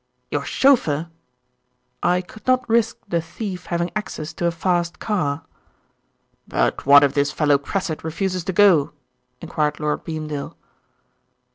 "Your chauffeur!" "I could not risk the thief having access to a fast car." "But what if this fellow Cressit refuses to go?" enquired Lord Beamdale.